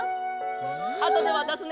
あとでわたすね。